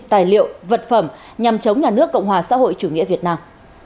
tài liệu vật phẩm nhằm chống nhà nước cộng hòa xã hội chủ nghĩa việt nam